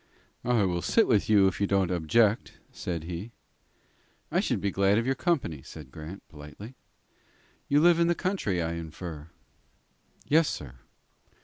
"I will sit with you if you don't object," said he. "I should be glad of your company," said Grant, politely. "You live in the country, I infer?" "Yes, sir."